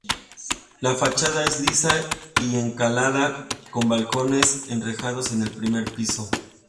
La fachada es lisa y encalada, con balcones enrejados en el primer piso.